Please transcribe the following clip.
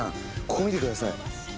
ここ見て下さい。